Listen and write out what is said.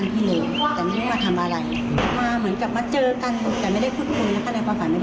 แต่ว่าเราฝันก่อนเกิดเหตุแค่ข้างชุม